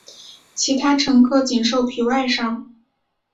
其他乘客仅受皮外伤。